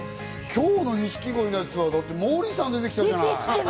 今日の錦鯉のやつはモーリーさん出てきたじゃない。